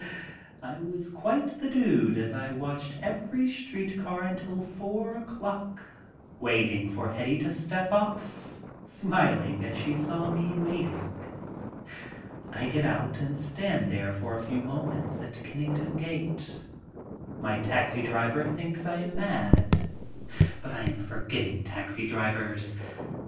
I was quite the dude as I watched every street car until four o'clock, waiting for Hetty to step off, smiling as she saw me waiting. I get out and stand there for a few moments at Kenning ton Gate. My taxi driver thinks I am mad. But I am for getting taxi drivers.